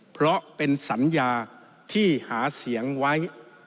เพราะเป็นสัญญาที่หาเสียงไว้